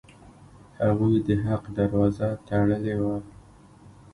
هغوی د حق دروازه تړلې وه.